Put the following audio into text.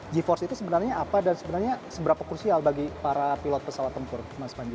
g empat itu sebenarnya apa dan sebenarnya seberapa krusial bagi para pilot pesawat tempur mas panji